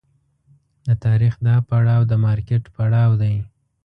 د تاریخ دا پړاو د مارکېټ پړاو دی.